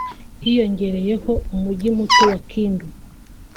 hiyongereyeho Umujyi muto wa Kindu